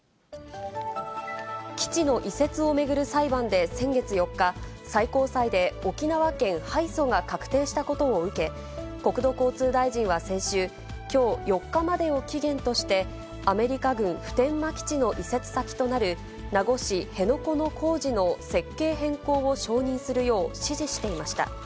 基地の移設を巡る裁判で先月４日、最高裁で沖縄県敗訴が確定したことを受け、国土交通大臣は先週、きょう４日までを期限として、アメリカ軍普天間基地の移設先となる名護市辺野古の工事の設計変更を承認するよう指示していました。